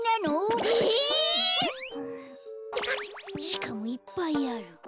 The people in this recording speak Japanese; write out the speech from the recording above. しかもいっぱいある。